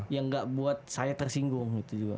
yang nggak buat saya tersinggung